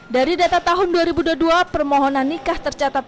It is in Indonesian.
dari data tahun dua ribu dua puluh dua permohonan nikah tercatat